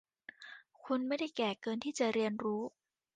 คุณไม่ได้แก่เกินที่จะเรียนรู้